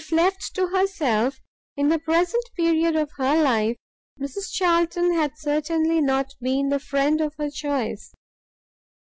If left to herself, in the present period of her life, Mrs Charlton had certainly not been the friend of her choice.